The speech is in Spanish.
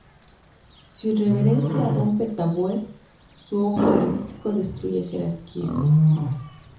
Su irreverencia rompe tabúes, su ojo analítico destruye jerarquías.